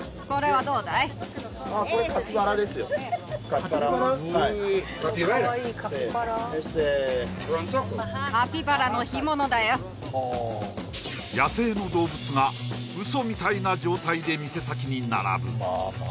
はい野生の動物がウソみたいな状態で店先に並ぶ